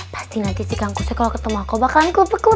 pasti nanti si kang kusnya kalau ketemu aku bakalan kupuk kupuk